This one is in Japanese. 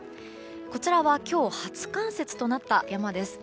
こちらは今日初冠雪となった山です。